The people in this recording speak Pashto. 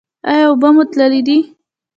ایا اوبه مو تللې دي؟